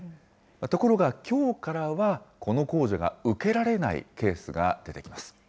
ところがきょうからは、この控除が受けられないケースが出てきます。